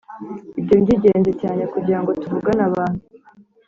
ibyo byingenzi cyane kugirango tuvugane abantu